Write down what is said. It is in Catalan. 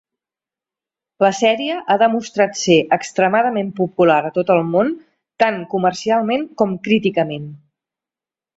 La sèrie ha demostrat ser extremadament popular a tot el món, tant comercialment com críticament.